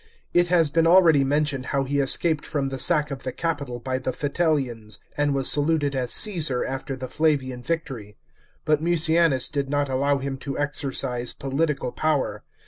It has been already mentioned how he escaped from the sack of the Capitol by tne Yitellians, and was saluted as Csesar after the Flavian victory. But Mucianus did not allow him to exercise political power.